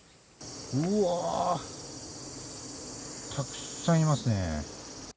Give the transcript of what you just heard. うわー、たくさんいますね。